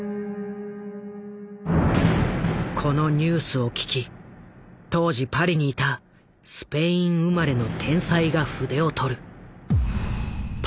このニュースを聞き当時パリに居たスペイン生まれの天才が筆を執る。